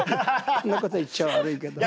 こんなこと言っちゃ悪いけど。